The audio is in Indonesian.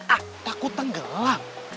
ah takut tenggelam